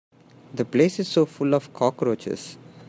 The place is so full of cockroaches.